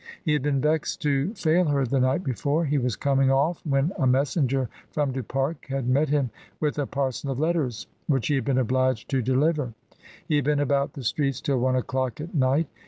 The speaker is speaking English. He had been vexed to fail her the night before; he was coming off when a messenger from Du Pare had met him with a parcel of letters, which he had been obliged to de liver. He had been about the streets till one o'clock at night.